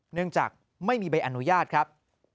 เนื่องจากไม่มีใบอนุญาตครับ